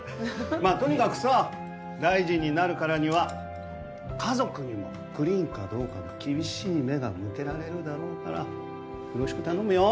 まあとにかくさ大臣になるからには家族にもクリーンかどうかの厳しい目が向けられるだろうからよろしく頼むよ。